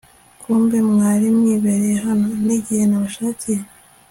kumbe mwari mwibereye hano nigihe nabashakiye